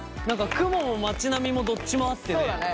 雲も町並みもどっちもあってね